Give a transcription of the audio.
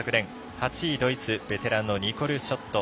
８位、ドイツベテランのニコル・ショット。